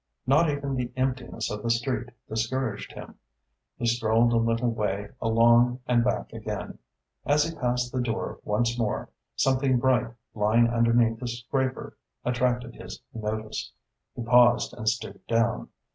Not even the emptiness of the street discouraged him. He strolled a little way along and back again. As he passed the door once more, something bright lying underneath the scraper attracted his notice. He paused and stooped down.